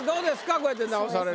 こうやって直されると。